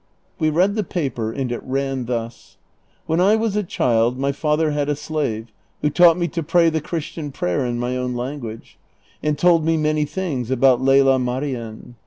" We read the ])aper and it ran thus :" When I was a cliild ni}' father had a slave who taught me to pray the Christian ])rayer in my own language, and told me many things about Lela Marien.